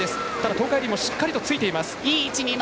東海林もしっかりついています。